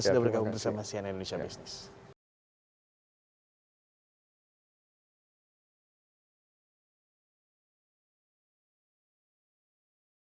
sudah bergabung bersama sian indonesia business